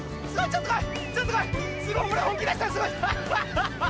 ちょっと来い！